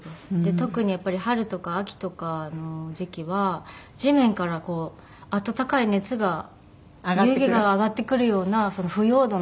特にやっぱり春とか秋とかの時期は地面からこう暖かい熱が湯気が上がってくるような腐葉土の。